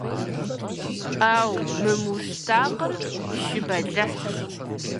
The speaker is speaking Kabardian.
Ӏэу! Мы муштакъыр шы бэлыхьщ!